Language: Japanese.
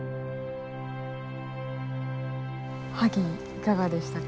萩いかがでしたか？